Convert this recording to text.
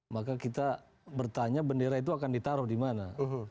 maka kita bertanya bendera itu akan ditaruh di mana